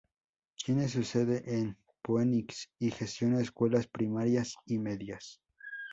Tiene su sede en Phoenix, y gestiona escuelas primarias y medias.